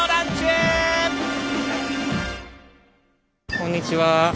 こんにちは。